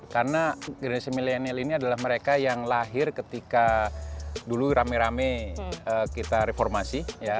karena generasi milenial ini adalah mereka yang lahir ketika dulu rame rame kita reformasi ya